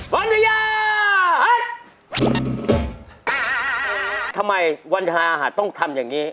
วันท้ายอาหารต้องทำอย่างนี้